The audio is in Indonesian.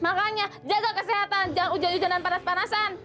makanya jaga kesehatan jangan ujian ujianan panas panasan